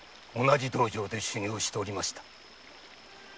同じ道場で修行しておりました。